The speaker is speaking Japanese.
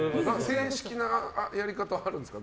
正式なやり方あるんですか？